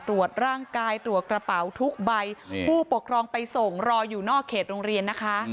ตรวจร่างกายตรวจกระเป๋าทุกใบผู้ปกครองไปส่งรออยู่นอกเขตโรงเรียนนะคะ